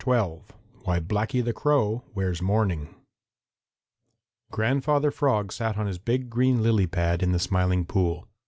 XII WHY BLACKY THE CROW WEARS MOURNING Grandfather Frog sat on his big green lily pad in the Smiling Pool.